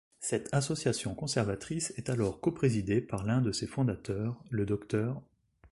Cette association conservatrice est alors coprésidée par l'un de ses fondateurs, le Dr.